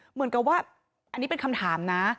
เหมือนกับว่าอันนี้เป็นคำถามนะ